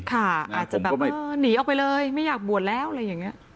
อาจจะแบบหนีออกไปเลยไม่อยากบวชแล้วอะไรอย่างนี้